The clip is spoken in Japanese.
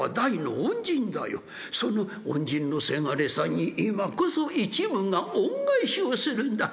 その恩人の伜さんに今こそ一夢が恩返しをするんだ。